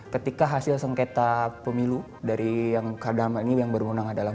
ketika hasil sengketa pemilu dari yang kadang ini yang berwenang adalah